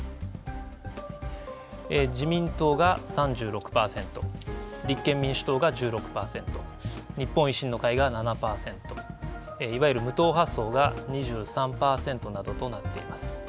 自民党が３６％、立憲民主党が１６％、日本維新の会が７％、いわゆる無党派層が２３％などとなっています。